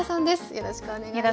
よろしくお願いします。